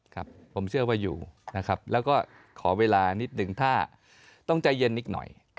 ครับผมเชื่อว่าอยู่นะครับแล้วก็ขอเวลานิดหนึ่งถ้าต้องใจเย็นนิดหน่อย